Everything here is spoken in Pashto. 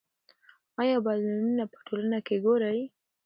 آیا بدلونونه په ټولنه کې ګورئ؟